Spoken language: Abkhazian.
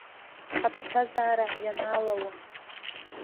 Ҳаԥсҭазаара ианаалауам.